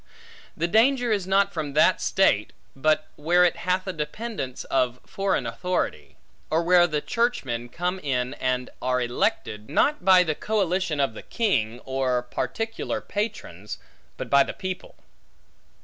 The danger is not from that state, but where it hath a dependence of foreign authority; or where the churchmen come in and are elected, not by the collation of the king, or particular patrons, but by the people.